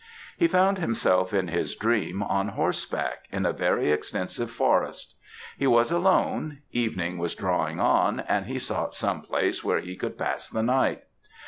"He found himself, in his dream, on horseback, in a very extensive forest; he was alone, evening was drawing on, and he sought some place where he could pass the night.